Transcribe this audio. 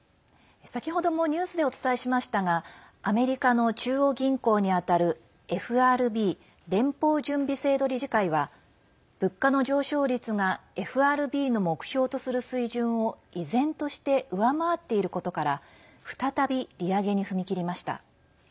先ほどもニュースでお伝えしましたがアメリカの中央銀行に当たるＦＲＢ＝連邦準備制度理事会は物価上昇率をＦＲＢの目標とする水準を依然として上回っていることから再び、利上げに踏み切りました。